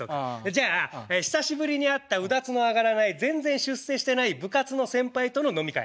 じゃあ久しぶりに会ったうだつの上がらない全然出世してない部活の先輩との飲み会。